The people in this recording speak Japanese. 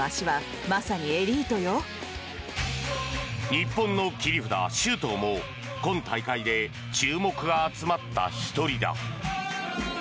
日本の切り札・周東も今大会で注目が集まった１人だ。